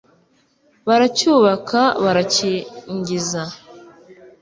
baracyubaka barakingiza